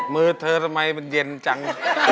มือเธอทำไมมันเย็นจัง